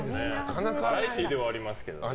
バラエティーではありますけど。